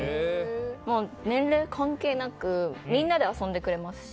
年齢関係なく、みんなで遊んでくれますし。